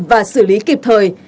và xử lý kịp thời